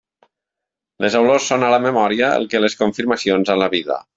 Les olors són a la memòria el que les confirmacions a la vida.